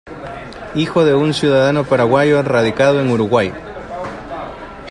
Hijo de un ciudadano paraguayo radicado en Uruguay.